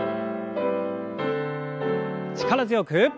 力強く。